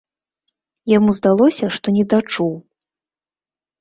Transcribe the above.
Яму здалося, што недачуў.